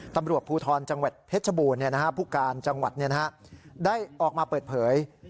ตำรวจภูทรจังหวัดเพชรบูรณ์ผู้การจังหวัดได้ออกมาเปิดเผย